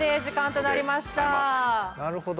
なるほど。